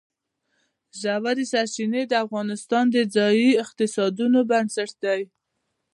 ژورې سرچینې د افغانستان د ځایي اقتصادونو بنسټ دی.